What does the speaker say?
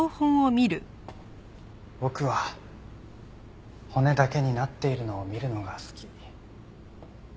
僕は骨だけになっているのを見るのが好き。